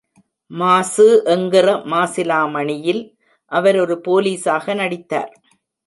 “மாசு எங்கிற மாசிலாமணியில்” அவர் ஒரு போலிஸாக நடித்தார்.